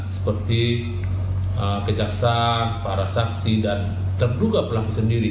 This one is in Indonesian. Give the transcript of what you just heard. seperti kejaksaan parasaksi dan terduga pelaku sendiri